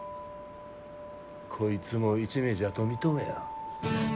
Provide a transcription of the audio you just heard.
こいつも一味じゃと認めや。